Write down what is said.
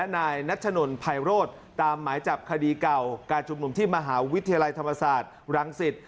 นายนัชนนภัยโรธตามหมายจับคดีเก่าการชุมนุมที่มหาวิทยาลัยธรรมศาสตร์รังสิต